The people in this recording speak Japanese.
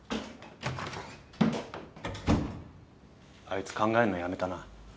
あいつ考えんのやめたな。